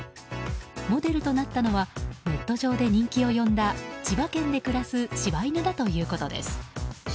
モデルとなったのはネット上で人気を呼んだ千葉県で暮らす柴犬だということです。